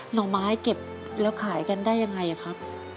ห่อไม้เก็บแล้วขายกันได้ยังไงครับ